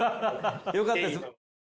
よかったです。